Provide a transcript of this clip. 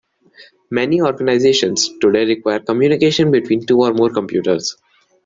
Many organizations today require communication between two or more computers.